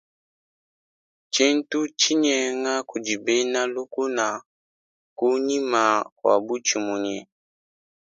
Tshintu tshinyenga kudi bena lukuna kunyima kua butshimunyi.